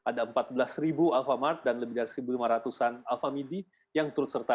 ada empat belas alfamart dan lebih dari satu lima ratus an alfamidi yang turut serta